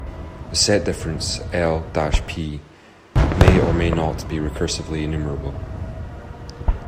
The set difference "L" - "P" may or may not be recursively enumerable.